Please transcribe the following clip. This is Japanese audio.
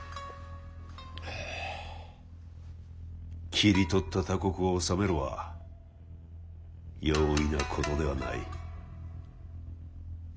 切り取った他国を治めるは容易なことではない。